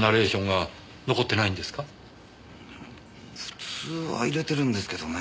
普通は入れてるんですけどね。